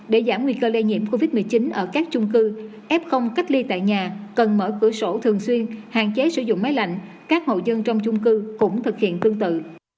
để giảm nguy cơ lây nhiễm covid một mươi chín ở các chung cư f cách ly tại nhà cần mở cửa sổ thường xuyên hạn chế sử dụng máy lạnh các hộ dân trong chung cư cũng thực hiện tương tự